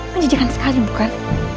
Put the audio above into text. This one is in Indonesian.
menjijikan sekali bukan